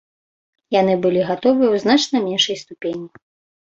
Яны былі гатовыя ў значна меншай ступені.